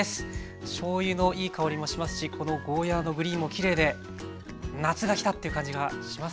しょうゆのいい香りもしますしこのゴーヤーのグリーンもきれいで夏が来た！っていう感じがしますね。